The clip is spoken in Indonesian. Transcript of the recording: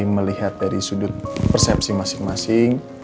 melihat dari sudut persepsi masing masing